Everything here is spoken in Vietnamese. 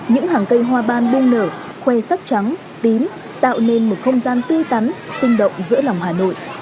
những hàng cây hoa ban bung nở khoe sắc trắng tím tạo nên một không gian tư tắn sinh động giữa lòng hà nội